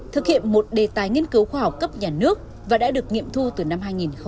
thực hiện một đề tài nghiên cứu khoa học cấp nhà nước và đã được nghiệm thu từ năm hai nghìn một mươi